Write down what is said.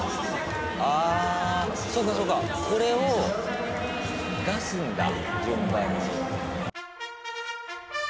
あそうかそうかこれを出すんだ順番に。